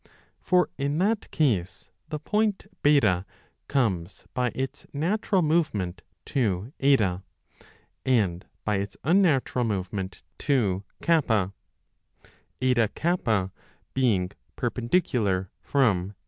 For in that case the point B comes by its natural movement to H, and by its unnatural movement to K, HK being perpendicular from H.